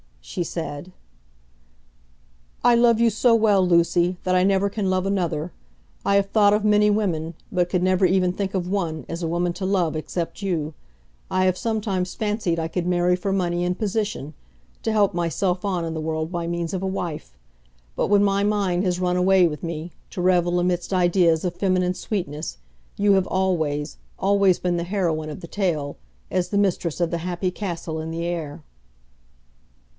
she said. "I love you so well, Lucy, that I never can love another. I have thought of many women, but could never even think of one, as a woman to love, except you. I have sometimes fancied I could marry for money and position, to help myself on in the world by means of a wife, but when my mind has run away with me, to revel amidst ideas of feminine sweetness, you have always always been the heroine of the tale, as the mistress of the happy castle in the air."